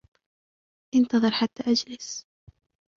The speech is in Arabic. انتظر حتى أجلس.